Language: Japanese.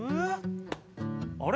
あれ？